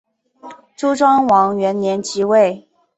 周庄王元年即位。